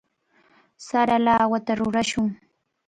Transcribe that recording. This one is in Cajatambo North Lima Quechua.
Sara lawata rurashun.